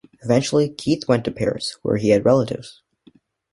Eventually, Keith went to Paris, where he had relatives.